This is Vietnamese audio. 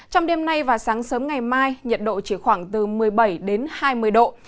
trong đêm nay và sáng sớm ngày mai nhiệt độ chỉ khoảng từ một mươi bảy đến hai mươi độ